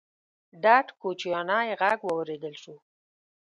ډډ کوچيانی غږ واورېدل شو: